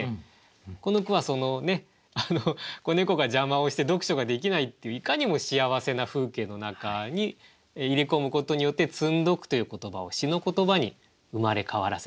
この句は子猫が邪魔をして読書ができないっていういかにも幸せな風景の中に入れ込むことによって「積ん読」という言葉を詩の言葉に生まれ変わらせた。